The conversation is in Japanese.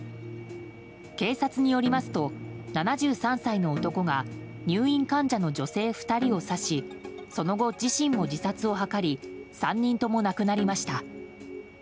警察によりますと７３歳の男が入院患者の女性２人を刺しその後、自身も自殺を図り３人とも亡くなりました。